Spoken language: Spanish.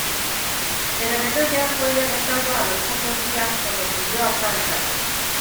Pero Bedoya fue derrotado a los pocos días, por lo que huyó a Salta.